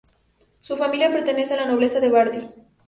Su familia pertenecía a la nobleza de Bardi.